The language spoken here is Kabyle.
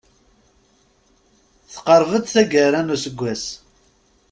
Teqreb-d taggara n useggas.